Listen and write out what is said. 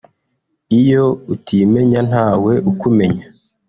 iyo utimenya ntawe ukumenya